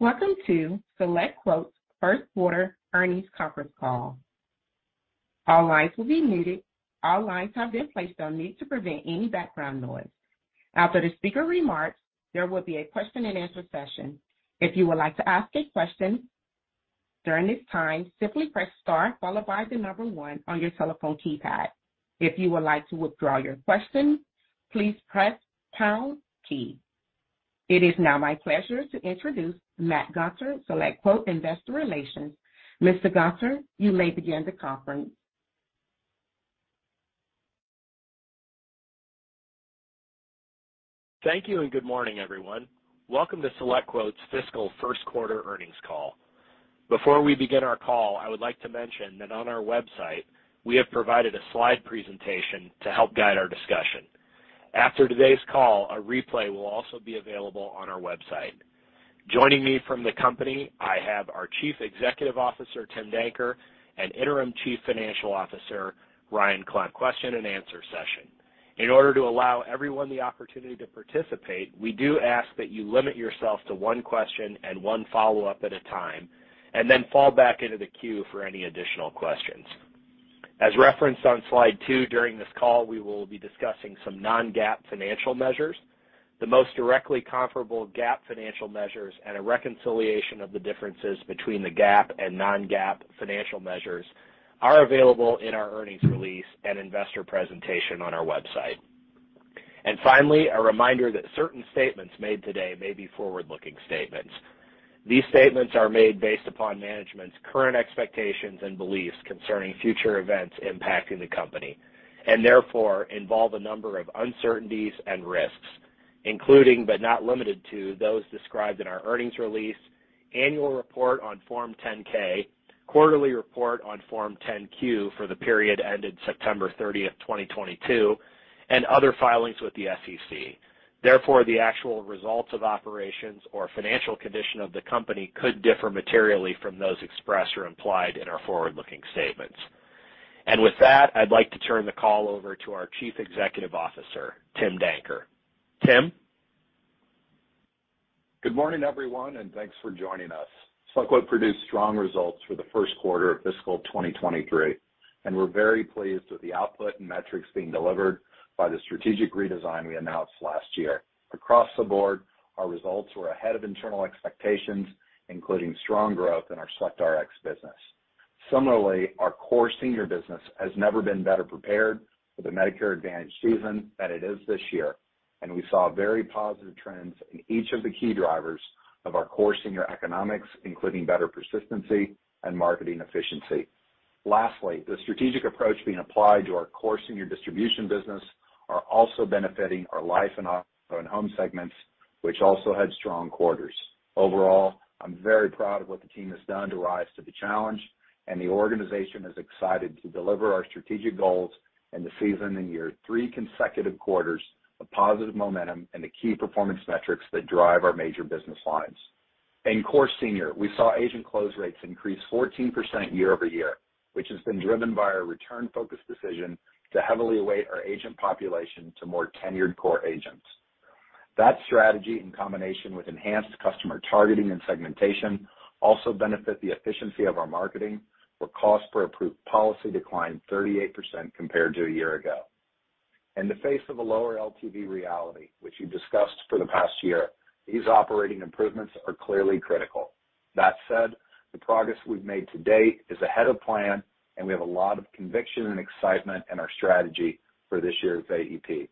Welcome to SelectQuote's first quarter earnings conference call. All lines will be muted. All lines have been placed on mute to prevent any background noise. After the speaker remarks, there will be a question-and-answer session. If you would like to ask a question during this time, simply press star followed by the number one on your telephone keypad. If you would like to withdraw your question, please press pound key. It is now my pleasure to introduce Matt Gunter, SelectQuote Investor Relations. Mr. Gunter, you may begin the conference. Thank you, and good morning, everyone. Welcome to SelectQuote's fiscal first quarter earnings call. Before we begin our call, I would like to mention that on our website we have provided a slide presentation to help guide our discussion. After today's call, a replay will also be available on our website. Joining me from the company, I have our Chief Executive Officer, Tim Danker, and Interim Chief Financial Officer, Ryan Clement. Question-and-answer session. In order to allow everyone the opportunity to participate, we do ask that you limit yourself to one question and one follow-up at a time, and then fall back into the queue for any additional questions. As referenced on slide two, during this call, we will be discussing some non-GAAP financial measures. The most directly comparable GAAP financial measures and a reconciliation of the differences between the GAAP and non-GAAP financial measures are available in our earnings release and investor presentation on our website. Finally, a reminder that certain statements made today may be forward-looking statements. These statements are made based upon management's current expectations and beliefs concerning future events impacting the company, and therefore involve a number of uncertainties and risks, including, but not limited to, those described in our earnings release, annual report on Form 10-K, quarterly report on Form 10-Q for the period ended September 30, 2022, and other filings with the SEC. Therefore, the actual results of operations or financial condition of the company could differ materially from those expressed or implied in our forward-looking statements. With that, I'd like to turn the call over to our Chief Executive Officer, Tim Danker. Tim? Good morning, everyone, and thanks for joining us. SelectQuote produced strong results for the first quarter of fiscal 2023, and we're very pleased with the output and metrics being delivered by the strategic redesign we announced last year. Across the board, our results were ahead of internal expectations, including strong growth in our SelectRx business. Similarly, our core senior business has never been better prepared for the Medicare Advantage season than it is this year, and we saw very positive trends in each of the key drivers of our core senior economics, including better persistency and marketing efficiency. Lastly, the strategic approach being applied to our core senior distribution business are also benefiting our life and Auto & Home segments, which also had strong quarters. Overall, I'm very proud of what the team has done to rise to the challenge, and the organization is excited to deliver our strategic goals in the season and year 3 consecutive quarters of positive momentum in the key performance metrics that drive our major business lines. In core senior, we saw agent close rates increase 14% year-over-year, which has been driven by our return-focused decision to heavily weight our agent population to more tenured core agents. That strategy, in combination with enhanced customer targeting and segmentation, also benefit the efficiency of our marketing, where cost per approved policy declined 38% compared to a year ago. In the face of a lower LTV reality, which we've discussed for the past year, these operating improvements are clearly critical. That said, the progress we've made to date is ahead of plan, and we have a lot of conviction and excitement in our strategy for this year's AEP.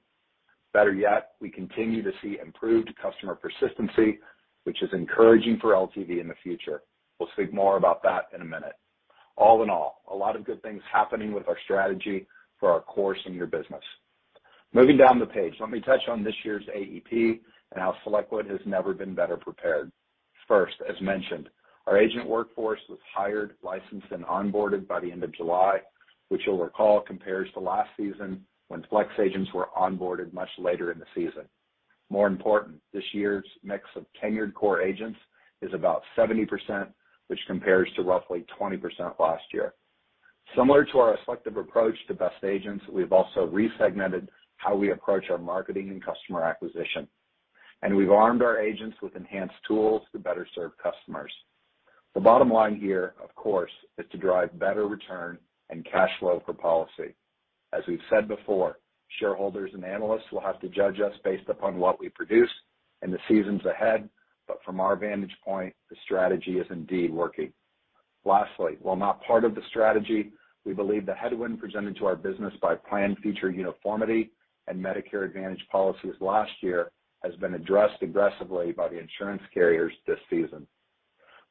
Better yet, we continue to see improved customer persistency, which is encouraging for LTV in the future. We'll speak more about that in a minute. All in all, a lot of good things happening with our strategy for our core senior business. Moving down the page, let me touch on this year's AEP and how SelectQuote has never been better prepared. First, as mentioned, our agent workforce was hired, licensed and onboarded by the end of July, which you'll recall compares to last season when flex agents were onboarded much later in the season. More important, this year's mix of tenured core agents is about 70%, which compares to roughly 20% last year. Similar to our selective approach to best agents, we've also resegmented how we approach our marketing and customer acquisition, and we've armed our agents with enhanced tools to better serve customers. The bottom line here, of course, is to drive better return and cash flow per policy. As we've said before, shareholders and analysts will have to judge us based upon what we produce in the seasons ahead, but from our vantage point, the strategy is indeed working. Lastly, while not part of the strategy, we believe the headwind presented to our business by planned feature uniformity and Medicare Advantage policies last year has been addressed aggressively by the insurance carriers this season.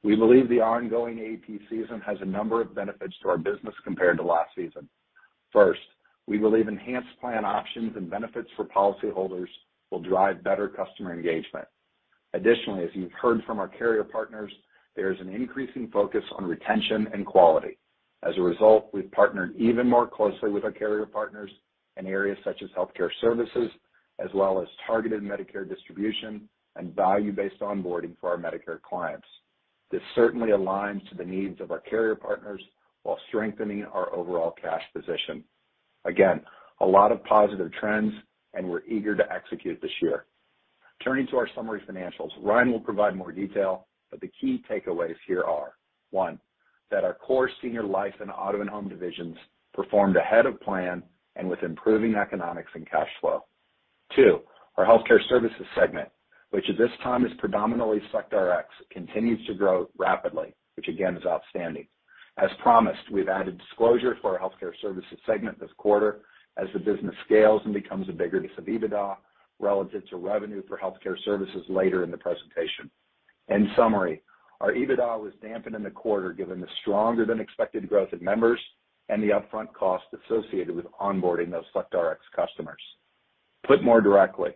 We believe the ongoing AEP season has a number of benefits to our business compared to last season. First, we believe enhanced plan options and benefits for policyholders will drive better customer engagement. Additionally, as you've heard from our carrier partners, there is an increasing focus on retention and quality. As a result, we've partnered even more closely with our carrier partners in areas such as healthcare services, as well as targeted Medicare distribution and value-based onboarding for our Medicare clients. This certainly aligns to the needs of our carrier partners while strengthening our overall cash position. Again, a lot of positive trends, and we're eager to execute this year. Turning to our summary financials, Ryan will provide more detail, but the key takeaways here are, one, that our core senior life and Auto & Home divisions performed ahead of plan and with improving economics and cash flow. Two, our healthcare services segment, which at this time is predominantly SelectRx, continues to grow rapidly, which again is outstanding. As promised, we've added disclosure to our healthcare services segment this quarter as the business scales and becomes a bigger piece of EBITDA relative to revenue for healthcare services later in the presentation. In summary, our EBITDA was dampened in the quarter given the stronger than expected growth in members and the upfront costs associated with onboarding those SelectRx customers. Put more directly,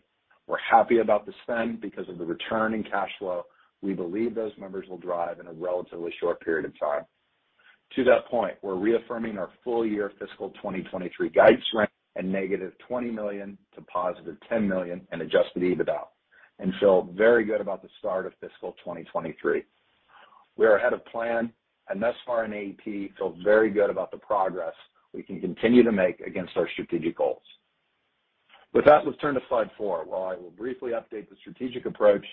we're happy about the spend because of the return in cash flow we believe those members will drive in a relatively short period of time. To that point, we're reaffirming our full year fiscal 2023 guidance range and -$20 million to +$10 million in adjusted EBITDA, and feel very good about the start of fiscal 2023. We are ahead of plan, and thus far in AEP feel very good about the progress we can continue to make against our strategic goals. With that, let's turn to slide 4, where I will briefly update the strategic approach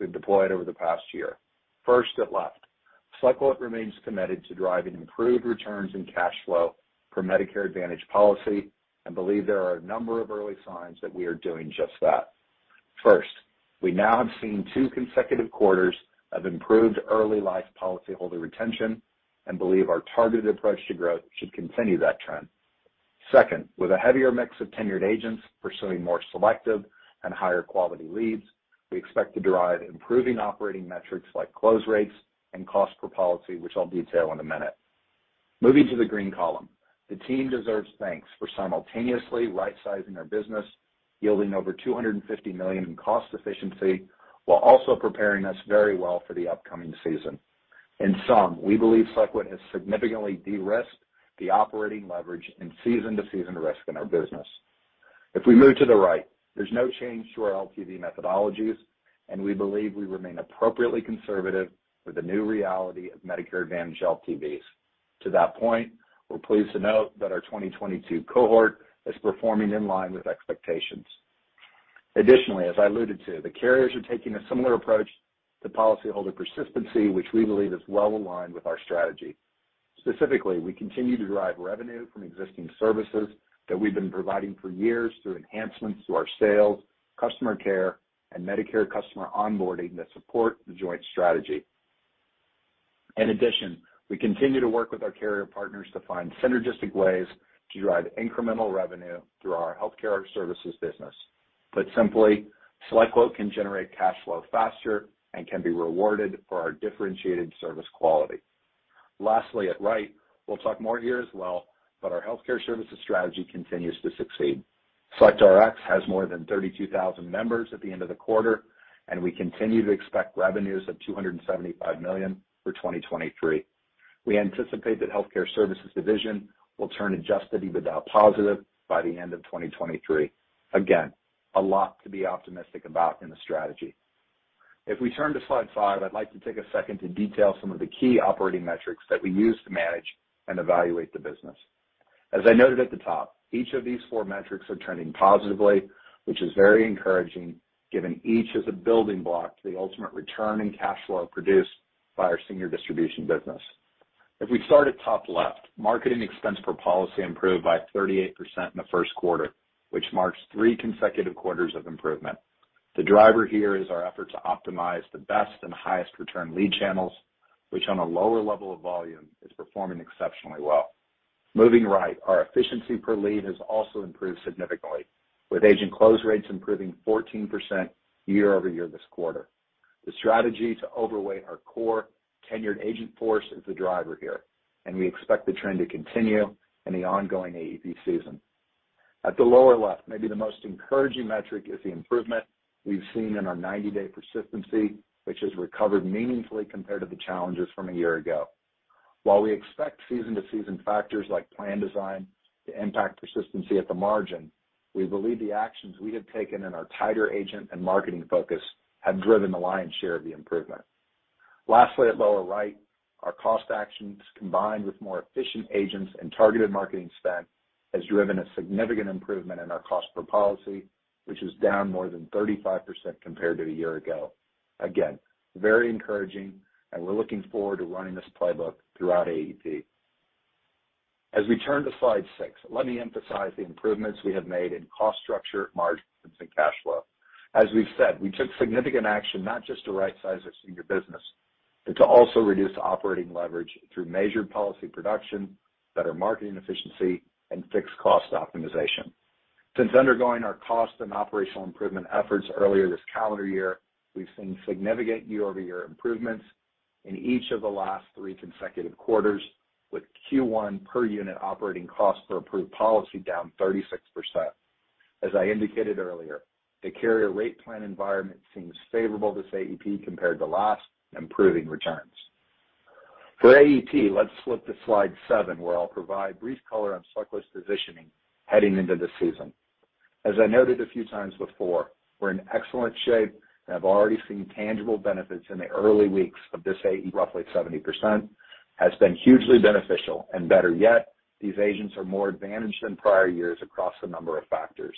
we've deployed over the past year. First, at left, SelectQuote remains committed to driving improved returns and cash flow for Medicare Advantage policy and believe there are a number of early signs that we are doing just that. First, we now have seen 2 consecutive quarters of improved early life policyholder retention and believe our targeted approach to growth should continue that trend. Second, with a heavier mix of tenured agents pursuing more selective and higher quality leads, we expect to derive improving operating metrics like close rates and cost per policy, which I'll detail in a minute. Moving to the green column, the team deserves thanks for simultaneously rightsizing their business, yielding over $250 million in cost efficiency, while also preparing us very well for the upcoming season. In sum, we believe SelectQuote has significantly de-risked the operating leverage and season-to-season risk in our business. If we move to the right, there's no change to our LTV methodologies, and we believe we remain appropriately conservative with the new reality of Medicare Advantage LTVs. To that point, we're pleased to note that our 2022 cohort is performing in line with expectations. Additionally, as I alluded to, the carriers are taking a similar approach to policyholder persistency, which we believe is well aligned with our strategy. Specifically, we continue to derive revenue from existing services that we've been providing for years through enhancements to our sales, customer care, and Medicare customer onboarding that support the joint strategy. In addition, we continue to work with our carrier partners to find synergistic ways to drive incremental revenue through our healthcare services business. Put simply, SelectQuote can generate cash flow faster and can be rewarded for our differentiated service quality. Lastly, at right, we'll talk more here as well, but our healthcare services strategy continues to succeed. SelectRx has more than 32,000 members at the end of the quarter, and we continue to expect revenues of $275 million for 2023. We anticipate that healthcare services division will turn adjusted EBITDA positive by the end of 2023. Again, a lot to be optimistic about in the strategy. If we turn to slide 5, I'd like to take a second to detail some of the key operating metrics that we use to manage and evaluate the business. As I noted at the top, each of these 4 metrics are trending positively, which is very encouraging given each is a building block to the ultimate return in cash flow produced by our senior distribution business. If we start at top left, marketing expense per policy improved by 38% in the first quarter, which marks 3 consecutive quarters of improvement. The driver here is our effort to optimize the best and highest return lead channels, which on a lower level of volume is performing exceptionally well. Moving right, our efficiency per lead has also improved significantly, with agent close rates improving 14% year-over-year this quarter. The strategy to overweight our core tenured agent force is the driver here, and we expect the trend to continue in the ongoing AEP season. At the lower left, maybe the most encouraging metric is the improvement we've seen in our 90-day persistency, which has recovered meaningfully compared to the challenges from a year ago. While we expect season-to-season factors like plan design to impact persistency at the margin, we believe the actions we have taken in our tighter agent and marketing focus have driven the lion's share of the improvement. Lastly, at lower right, our cost actions combined with more efficient agents and targeted marketing spend has driven a significant improvement in our cost per policy, which is down more than 35% compared to a year ago. Again, very encouraging, and we're looking forward to running this playbook throughout AEP. As we turn to slide 6, let me emphasize the improvements we have made in cost structure, margins, and cash flow. As we've said, we took significant action not just to right size our senior business, but to also reduce operating leverage through measured policy production, better marketing efficiency, and fixed cost optimization. Since undergoing our cost and operational improvement efforts earlier this calendar year, we've seen significant year-over-year improvements in each of the last three consecutive quarters, with Q1 per unit operating cost per approved policy down 36%. As I indicated earlier, the carrier rate plan environment seems favorable this AEP compared to last, improving returns. For AEP, let's flip to slide seven, where I'll provide brief color on SelectQuote's positioning heading into the season. As I noted a few times before, we're in excellent shape and have already seen tangible benefits in the early weeks of this AEP. Roughly 70% has been hugely beneficial. Better yet, these agents are more advantaged than prior years across a number of factors.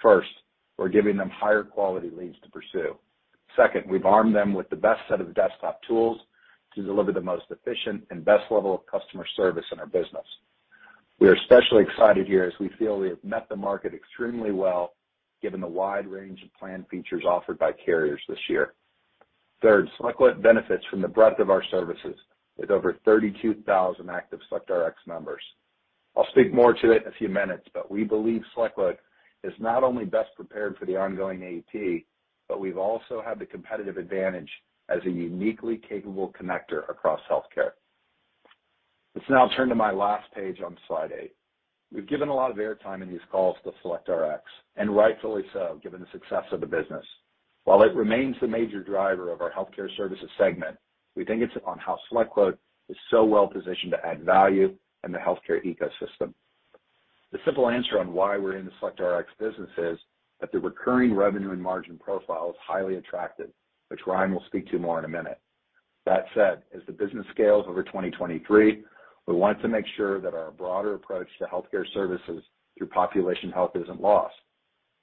First, we're giving them higher quality leads to pursue. Second, we've armed them with the best set of desktop tools to deliver the most efficient and best level of customer service in our business. We are especially excited here as we feel we have met the market extremely well, given the wide range of plan features offered by carriers this year. Third, SelectQuote benefits from the breadth of our services with over 32,000 active SelectRx members. I'll speak more to it in a few minutes, but we believe SelectQuote is not only best prepared for the ongoing AE, but we've also had the competitive advantage as a uniquely capable connector across healthcare. Let's now turn to my last page on slide 8. We've given a lot of airtime in these calls to SelectRx, and rightfully so, given the success of the business. While it remains the major driver of our healthcare services segment, we think it's one, how SelectQuote is so well-positioned to add value in the healthcare ecosystem. The simple answer on why we're in the SelectRx business is that the recurring revenue and margin profile is highly attractive, which Ryan will speak to more in a minute. That said, as the business scales over 2023, we want to make sure that our broader approach to healthcare services through Population Health isn't lost.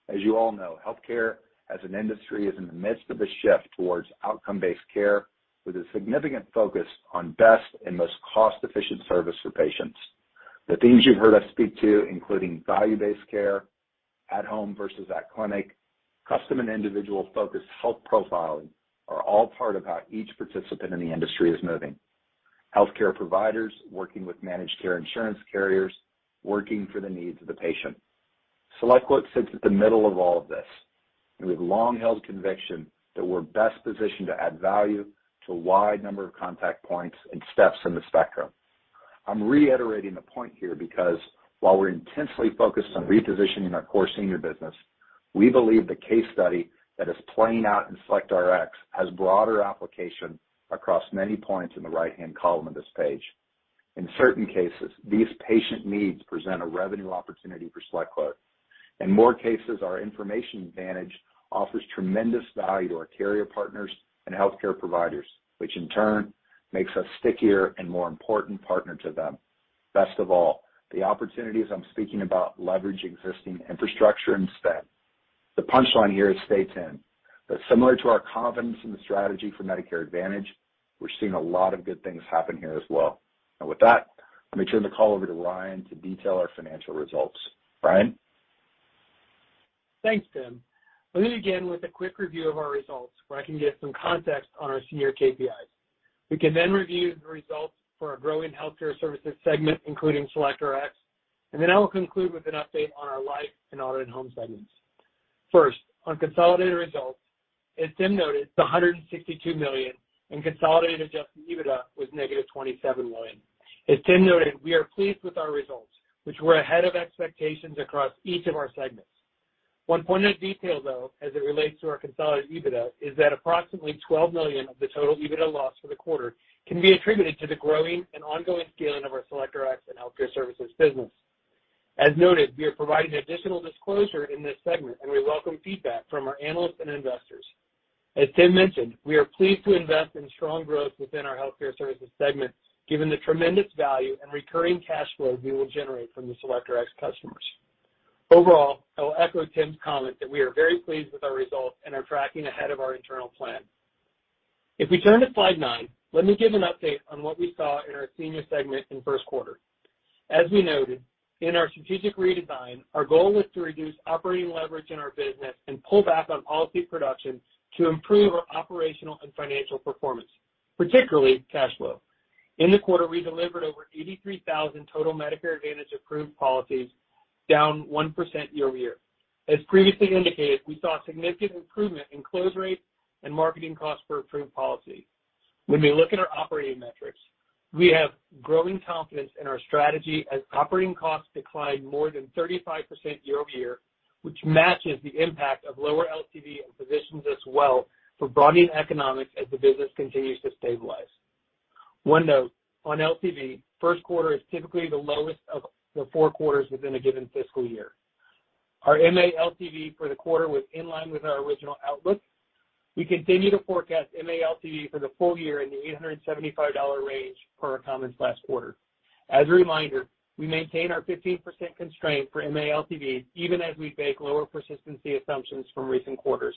As you all know, healthcare as an industry is in the midst of a shift towards outcome-based care with a significant focus on best and most cost-efficient service for patients. The themes you've heard us speak to, including value-based care, at home versus at clinic, custom and individual focused health profiling, are all part of how each participant in the industry is moving. Healthcare providers working with managed care insurance carriers working for the needs of the patient. SelectQuote sits at the middle of all of this, and we've long held conviction that we're best positioned to add value to a wide number of contact points and steps in the spectrum. I'm reiterating the point here because while we're intensely focused on repositioning our core senior business, we believe the case study that is playing out in SelectRx has broader application across many points in the right-hand column of this page. In certain cases, these patient needs present a revenue opportunity for SelectQuote. In more cases, our information advantage offers tremendous value to our carrier partners and healthcare providers, which in turn makes us stickier and more important partner to them. Best of all, the opportunities I'm speaking about leverage existing infrastructure instead. The punchline here is stay tuned. Similar to our confidence in the strategy for Medicare Advantage, we're seeing a lot of good things happen here as well. With that, let me turn the call over to Ryan to detail our financial results. Ryan? Thanks, Tim. Let me begin with a quick review of our results, where I can give some context on our several KPIs. We can then review the results for our growing healthcare services segment, including SelectRx, and then I will conclude with an update on our life and Auto & Home segments. First, on consolidated results, as Tim noted, consolidated revenue was $162 million. Adjusted EBITDA was negative $27 million. As Tim noted, we are pleased with our results, which were ahead of expectations across each of our segments. One point of detail, though, as it relates to our consolidated EBITDA, is that approximately $12 million of the total EBITDA loss for the quarter can be attributed to the growing and ongoing scaling of our SelectRx and healthcare services business. As noted, we are providing additional disclosure in this segment, and we welcome feedback from our analysts and investors. As Tim mentioned, we are pleased to invest in strong growth within our healthcare services segment given the tremendous value and recurring cash flow we will generate from the SelectRx customers. Overall, I will echo Tim's comment that we are very pleased with our results and are tracking ahead of our internal plan. If we turn to slide 9, let me give an update on what we saw in our senior segment in first quarter. As we noted in our strategic redesign, our goal was to reduce operating leverage in our business and pull back on policy production to improve our operational and financial performance, particularly cash flow. In the quarter, we delivered over 83,000 total Medicare Advantage approved policies, down 1% year-over-year. As previously indicated, we saw significant improvement in close rate and marketing costs per approved policy. When we look at our operating metrics, we have growing confidence in our strategy as operating costs decline more than 35% year-over-year, which matches the impact of lower LTV and positions us well for broadening economics as the business continues to stabilize. One note on LTV, first quarter is typically the lowest of the four quarters within a given fiscal year. Our MA LTV for the quarter was in line with our original outlook. We continue to forecast MA LTV for the full year in the $875 range per our comments last quarter. As a reminder, we maintain our 15% constraint for MA LTV even as we bake lower persistency assumptions from recent quarters.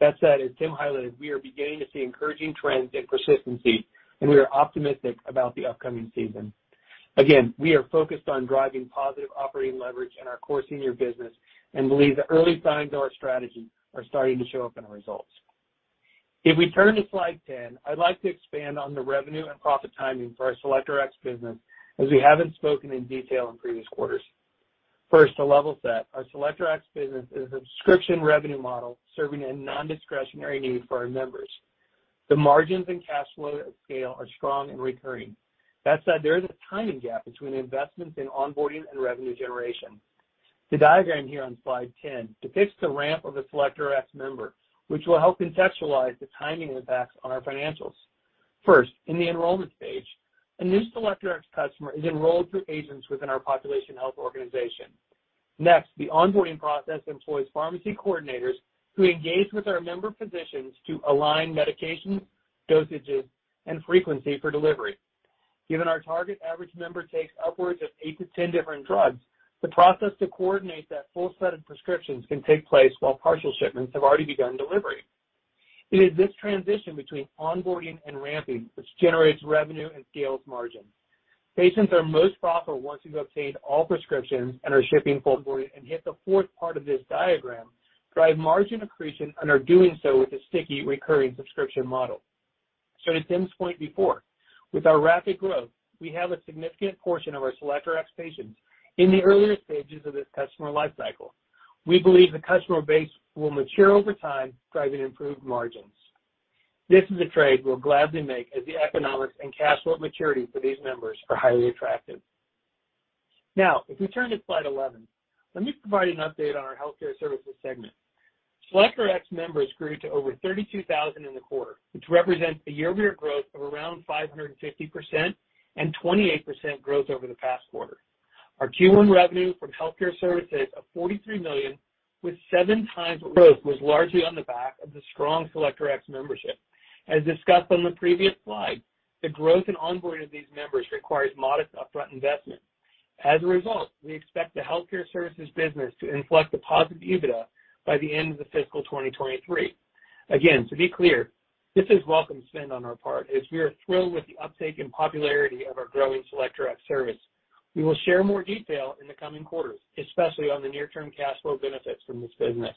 That said, as Tim highlighted, we are beginning to see encouraging trends in persistency, and we are optimistic about the upcoming season. Again, we are focused on driving positive operating leverage in our core senior business and believe the early signs of our strategy are starting to show up in our results. If we turn to slide 10, I'd like to expand on the revenue and profit timing for our SelectRx business, as we haven't spoken in detail in previous quarters. First, to level set, our SelectRx business is a subscription revenue model serving a non-discretionary need for our members. The margins and cash flow at scale are strong and recurring. That said, there is a timing gap between investments in onboarding and revenue generation. The diagram here on slide 10 depicts the ramp of a SelectRx member, which will help contextualize the timing impacts on our financials. First, in the enrollment stage, a new SelectRx customer is enrolled through agents within our Population Health organization. Next, the onboarding process employs pharmacy coordinators who engage with our member physicians to align medications, dosages, and frequency for delivery. Given our target average member takes upwards of 8-10 different drugs, the process to coordinate that full set of prescriptions can take place while partial shipments have already begun delivery. It is this transition between onboarding and ramping which generates revenue and scales margin. Patients are most profitable once you've obtained all prescriptions and are shipping full bore and hit the fourth part of this diagram, drive margin accretion and are doing so with a sticky recurring subscription model. As Tim's pointed before, with our rapid growth, we have a significant portion of our SelectRx patients in the earlier stages of this customer life cycle. We believe the customer base will mature over time, driving improved margins. This is a trade we'll gladly make as the economics and cash flow maturity for these members are highly attractive. Now, if we turn to slide 11, let me provide an update on our healthcare services segment. SelectRx members grew to over 32,000 in the quarter, which represents a year-over-year growth of around 550% and 28% growth over the past quarter. Our Q1 revenue from healthcare services of $43 million with 7x growth was largely on the back of the strong SelectRx membership. As discussed on the previous slide, the growth and onboarding of these members requires modest upfront investment. As a result, we expect the healthcare services business to inflect a positive EBITDA by the end of the fiscal 2023. Again, to be clear, this is welcome spend on our part as we are thrilled with the uptake and popularity of our growing SelectRx service. We will share more detail in the coming quarters, especially on the near term cash flow benefits from this business.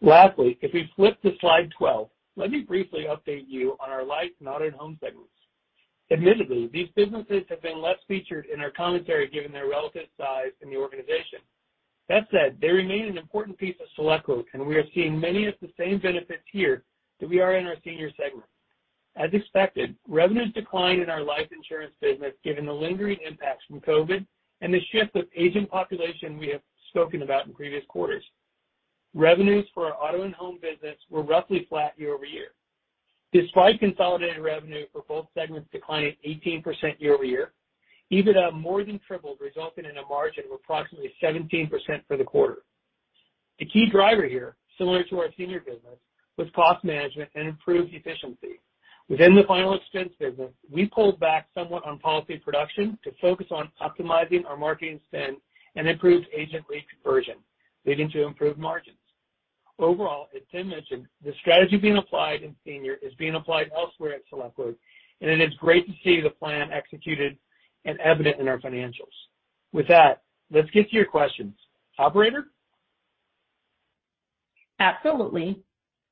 Lastly, if we flip to slide 12, let me briefly update you on our life, auto, and home segments. Admittedly, these businesses have been less featured in our commentary given their relative size in the organization. That said, they remain an important piece of SelectQuote, and we are seeing many of the same benefits here that we are in our senior segment. As expected, revenues declined in our life insurance business, given the lingering impacts from COVID and the shift of agent population we have spoken about in previous quarters. Revenues for our Auto & Home business were roughly flat year-over-year. Despite consolidated revenue for both segments declining 18% year-over-year, EBITDA more than tripled, resulting in a margin of approximately 17% for the quarter. The key driver here, similar to our senior business, was cost management and improved efficiency. Within the final expense business, we pulled back somewhat on policy production to focus on optimizing our marketing spend and improved agent lead conversion, leading to improved margins. Overall, as Tim mentioned, the strategy being applied in senior is being applied elsewhere at SelectQuote, and it is great to see the plan executed and evident in our financials. With that, let's get to your questions. Operator? Absolutely.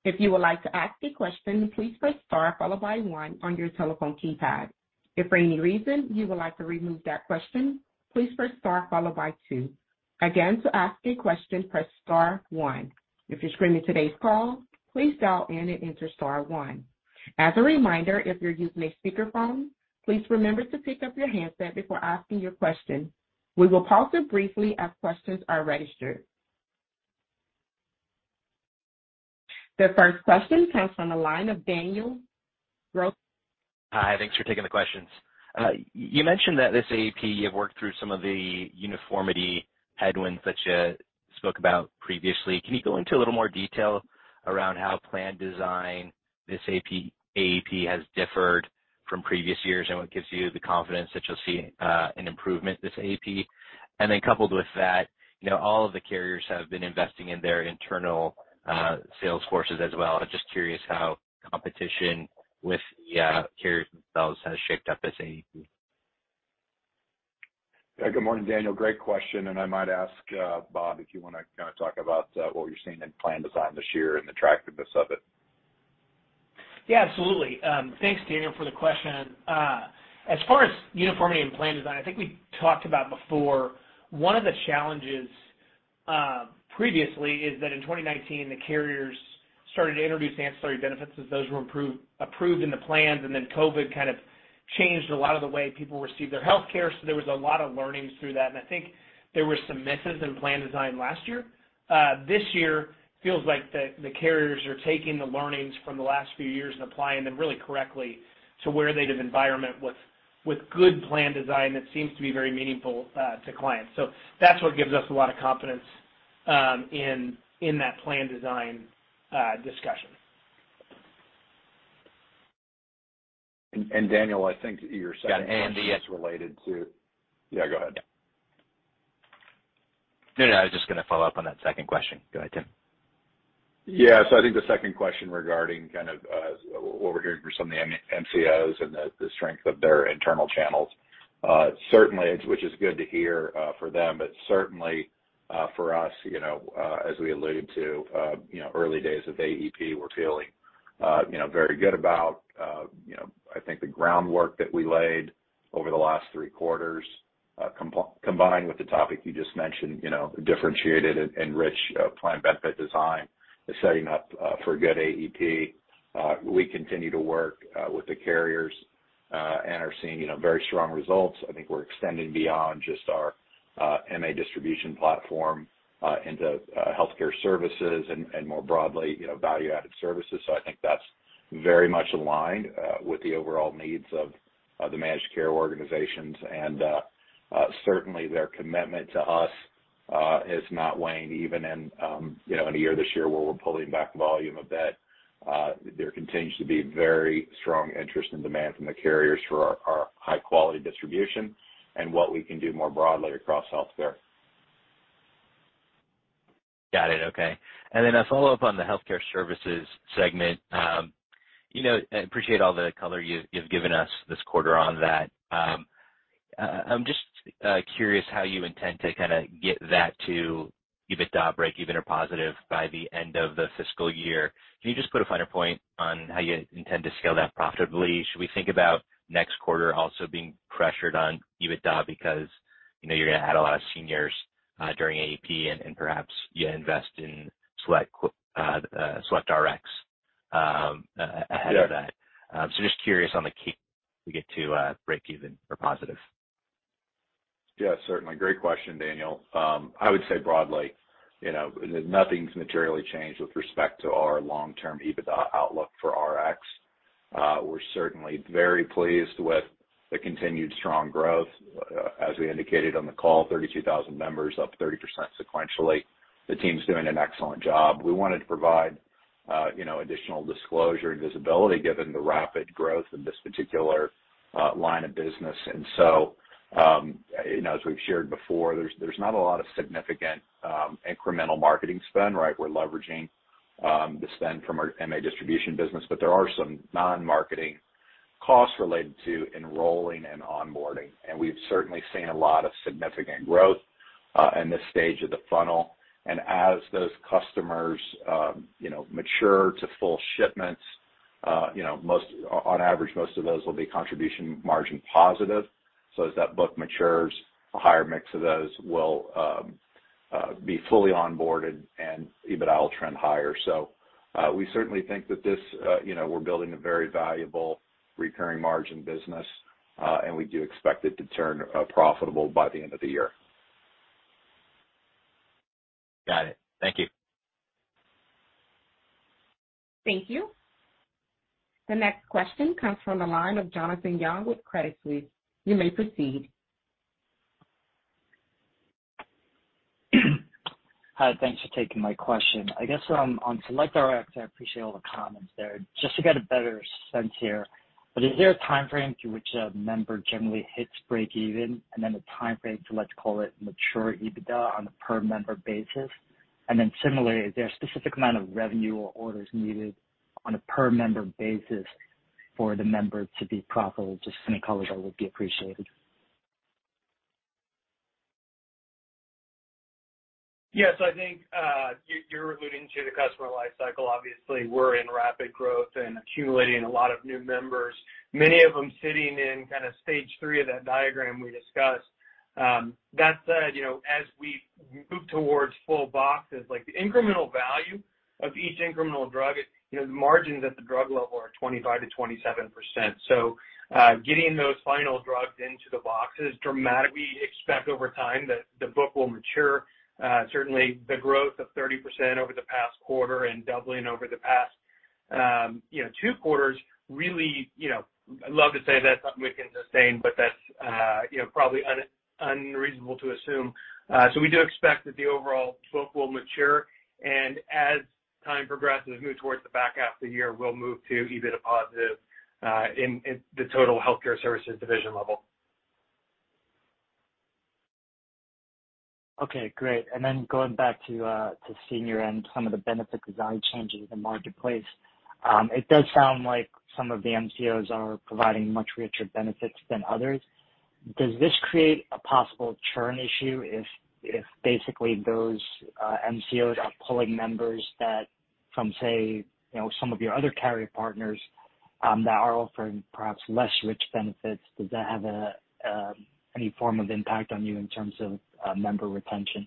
If you would like to ask a question, please press star followed by one on your telephone keypad. If for any reason you would like to remove that question, please press star followed by two. Again, to ask a question, press star one. If you're screening today's call, please dial in and enter star one. As a reminder, if you're using a speakerphone, please remember to pick up your handset before asking your question. We will pause it briefly as questions are registered. The first question comes from the line of Daniel Grosslight. Hi. Thanks for taking the questions. You mentioned that this AEP, you have worked through some of the uniformity headwinds that you spoke about previously. Can you go into a little more detail around how plan design this AEP has differed from previous years and what gives you the confidence that you'll see an improvement this AEP? Coupled with that, you know, all of the carriers have been investing in their internal sales forces as well. I'm just curious how competition with the carriers themselves has shaped up this AEP. Yeah. Good morning, Daniel. Great question, and I might ask, Bob, if you wanna kind of talk about what you're seeing in plan design this year and the attractiveness of it. Yeah, absolutely. Thanks, Daniel, for the question. As far as uniformity and plan design, I think we talked about before, one of the challenges previously is that in 2019 the carriers started to introduce ancillary benefits as those were approved in the plans, and then COVID kind of changed a lot of the way people received their health care. There was a lot of learnings through that. I think there were some misses in plan design last year. This year feels like the carriers are taking the learnings from the last few years and applying them really correctly to where they have environment with good plan design that seems to be very meaningful to clients. That's what gives us a lot of confidence in that plan design discussion. Daniel, I think your second question is related to. Yeah, go ahead. No, no, I was just gonna follow up on that second question. Go ahead, Tim. Yeah. I think the second question regarding kind of what we're hearing from some of the MCOs and the strength of their internal channels, certainly, which is good to hear for them. Certainly for us, you know, as we alluded to, you know, early days of AEP, we're feeling you know very good about you know I think the groundwork that we laid over the last three quarters combined with the topic you just mentioned, you know, differentiated and rich plan benefit design is setting up for a good AEP. We continue to work with the carriers. are seeing, you know, very strong results. I think we're extending beyond just our MA distribution platform into healthcare services and more broadly, you know, value-added services. I think that's very much aligned with the overall needs of the managed care organizations. Certainly their commitment to us has not waned even in, you know, in a year this year where we're pulling back volume a bit. There continues to be very strong interest and demand from the carriers for our high-quality distribution and what we can do more broadly across healthcare. Got it. Okay. A follow-up on the healthcare services segment. You know, I appreciate all the color you've given us this quarter on that. I'm just curious how you intend to kinda get that to EBITDA breakeven or positive by the end of the fiscal year. Can you just put a finer point on how you intend to scale that profitably? Should we think about next quarter also being pressured on EBITDA because, you know, you're gonna add a lot of seniors during AEP and perhaps you invest in SelectRx ahead of that. Yeah. Just curious on the key to get to breakeven or positive. Yeah, certainly. Great question, Daniel. I would say broadly, you know, nothing's materially changed with respect to our long-term EBITDA outlook for RX. We're certainly very pleased with the continued strong growth. As we indicated on the call, 32,000 members, up 30% sequentially. The team's doing an excellent job. We wanted to provide, you know, additional disclosure and visibility given the rapid growth in this particular line of business. You know, as we've shared before, there's not a lot of significant incremental marketing spend, right? We're leveraging the spend from our MA distribution business. But there are some non-marketing costs related to enrolling and onboarding, and we've certainly seen a lot of significant growth in this stage of the funnel. As those customers, you know, mature to full shipments, you know, on average, most of those will be contribution margin positive. As that book matures, a higher mix of those will be fully onboarded and EBITDA will trend higher. We certainly think that this, you know, we're building a very valuable recurring margin business, and we do expect it to turn profitable by the end of the year. Got it. Thank you. Thank you. The next question comes from the line of Jonathan Yong with Credit Suisse. You may proceed. Hi, thanks for taking my question. I guess from, on SelectRx, I appreciate all the comments there. Just to get a better sense here, but is there a timeframe to which a member generally hits breakeven and then a timeframe to, let's call it, mature EBITDA on a per member basis? Similarly, is there a specific amount of revenue or orders needed on a per member basis for the member to be profitable? Just any color there would be appreciated. Yes. I think you're alluding to the customer life cycle. Obviously, we're in rapid growth and accumulating a lot of new members, many of them sitting in kind of stage three of that diagram we discussed. That said, you know, as we move towards full boxes, like the incremental value of each incremental drug, you know, the margins at the drug level are 25%-27%. Getting those final drugs into the boxes dramatically, we expect over time that the book will mature. Certainly the growth of 30% over the past quarter and doubling over the past, you know, two quarters, really, you know, I'd love to say that's something we can sustain, but that's, you know, probably unreasonable to assume. We do expect that the overall book will mature, and as time progresses, move towards the back half of the year, we'll move to EBITDA positive, in the total healthcare services division level. Okay, great. Then going back to senior and some of the benefit design changes in the marketplace. It does sound like some of the MCOs are providing much richer benefits than others. Does this create a possible churn issue if basically those MCOs are pulling members from, say, you know, some of your other carrier partners that are offering perhaps less rich benefits? Does that have any form of impact on you in terms of member retention?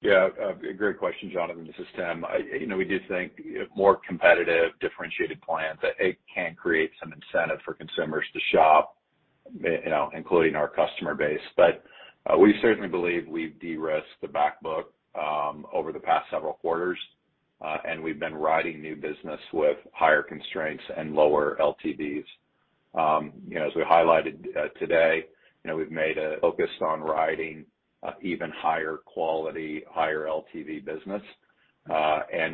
Yeah. A great question, Jonathan. This is Tim. You know, we do think more competitive differentiated plans, it can create some incentive for consumers to shop, you know, including our customer base. We certainly believe we've de-risked the back book over the past several quarters, and we've been writing new business with higher constraints and lower LTVs. You know, as we highlighted today, you know, we've made a focus on writing even higher quality, higher LTV business.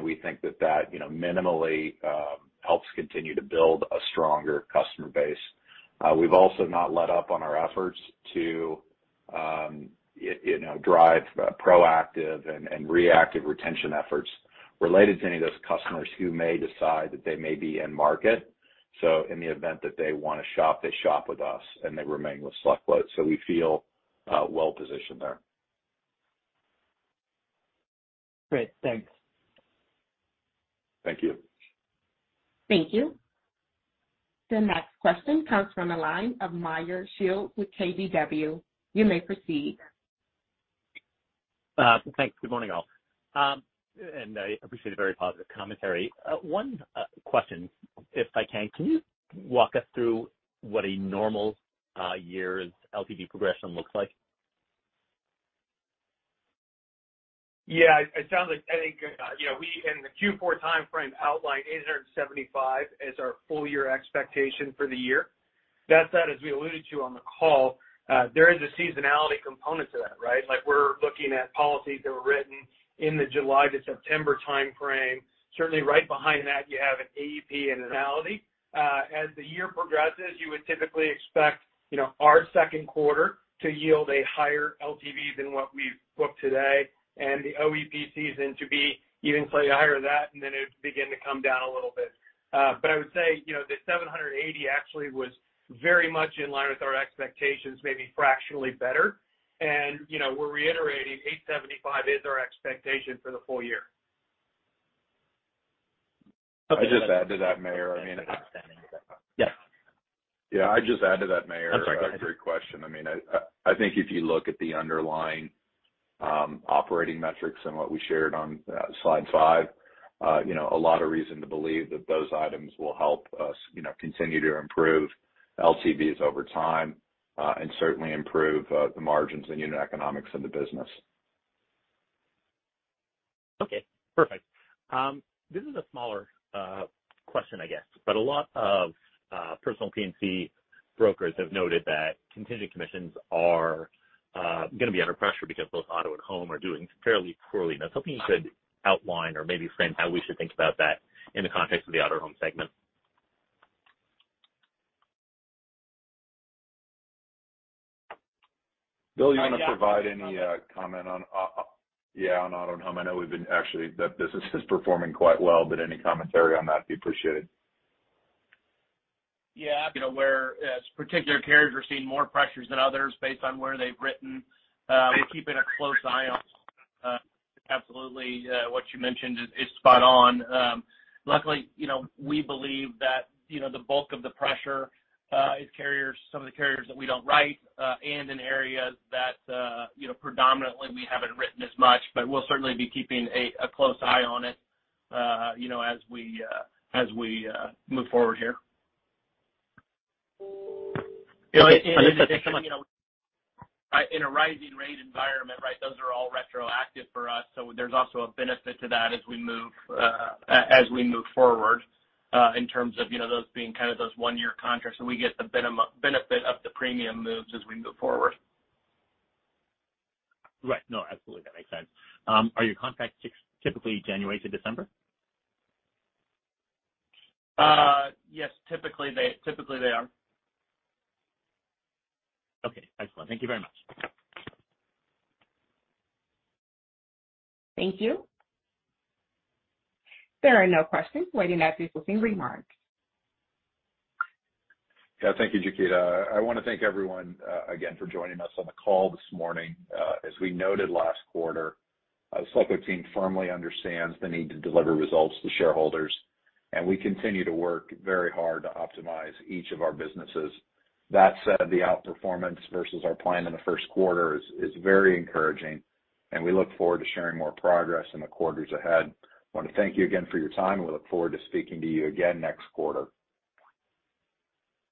We think that, you know, minimally, helps continue to build a stronger customer base. We've also not let up on our efforts to, you know, drive proactive and reactive retention efforts related to any of those customers who may decide that they may be in market. In the event that they wanna shop, they shop with us, and they remain with SelectQuote. We feel well positioned there. Great. Thanks. Thank you. Thank you. The next question comes from the line of Meyer Shields with KBW. You may proceed. Thanks. Good morning, all. I appreciate a very positive commentary. One question, if I can. Can you walk us through what a normal year's LTV progression looks like? Yeah. It sounds like I think, you know, we, in the Q4 timeframe, outlined $875 as our full year expectation for the year. That said, as we alluded to on the call, there is a seasonality component to that, right? Like, we're looking at policies that were written in the July to September timeframe. Certainly right behind that you have an AEP and an OEP. As the year progresses, you would typically expect, you know, our second quarter to yield a higher LTV than what we've booked today, and the OEP season to be even slightly higher than that, and then it would begin to come down a little bit. I would say, you know, the $780 actually was very much in line with our expectations, maybe fractionally better. you know, we're reiterating $875 is our expectation for the full year. Okay. I'll just add to that, Meyer. I mean. Yes. Yeah, I'd just add to that, Meyer. That's all right. A great question. I mean, I think if you look at the underlying operating metrics and what we shared on slide 5, you know, a lot of reason to believe that those items will help us, you know, continue to improve LTVs over time, and certainly improve the margins and unit economics in the business. Okay. Perfect. This is a smaller question, I guess. A lot of personal P&C brokers have noted that contingent commissions are gonna be under pressure because both auto and home are doing fairly poorly. I was hoping you could outline or maybe frame how we should think about that in the context of the auto and home segment. Bill, you want to provide any comment on, yeah, on Auto & Home? I know actually, that business is performing quite well, but any commentary on that would be appreciated. Yeah. You know, where, as particular carriers are seeing more pressures than others based on where they've written, we're keeping a close eye on. Absolutely, what you mentioned is spot on. Luckily, you know, we believe that, you know, the bulk of the pressure is carriers, some of the carriers that we don't write, and in areas that, you know, predominantly we haven't written as much. We'll certainly be keeping a close eye on it, you know, as we move forward here. Bill, I- In addition, you know, in a rising rate environment, right, those are all retroactive for us, so there's also a benefit to that as we move forward in terms of, you know, those being kind of those one-year contracts. We get the benefit of the premium moves as we move forward. Right. No, absolutely. That makes sense. Are your contracts typically January to December? Yes, typically they are. Okay. Excellent. Thank you very much. Thank you. There are no questions. Waiting at this closing remarks. Yeah. Thank you, Nikita. I want to thank everyone, again for joining us on the call this morning. As we noted last quarter, SelectQuote team firmly understands the need to deliver results to shareholders, and we continue to work very hard to optimize each of our businesses. That said, the outperformance versus our plan in the first quarter is very encouraging, and we look forward to sharing more progress in the quarters ahead. I want to thank you again for your time, and we look forward to speaking to you again next quarter.